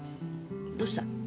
どうした？